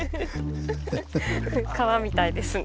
川みたいですね。